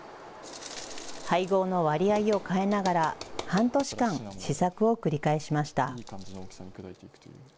配合の割合を変えながら半年間、試作を繰り返しました。